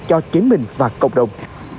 cho chính mình và cộng đồng